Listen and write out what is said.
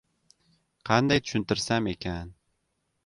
Qanday tushuntirsam ekan?